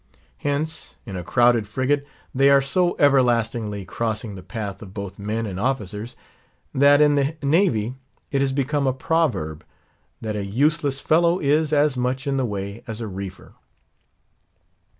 Hence, in a crowded frigate, they are so everlastingly crossing the path of both men and officers, that in the navy it has become a proverb, that a useless fellow is "as much in the way as a reefer."